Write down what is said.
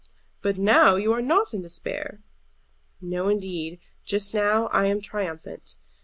"But now you are not in despair." "No, indeed; just now I am triumphant.